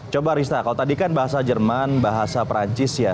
coba rista kalau tadi kan bahasa jerman bahasa perancis ya